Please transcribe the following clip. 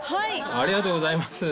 ありがとうございます。